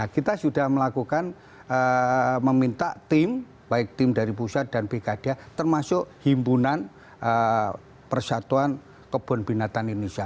kita sudah melakukan meminta tim baik tim dari pusat dan bkd termasuk himpunan persatuan kebun binatang indonesia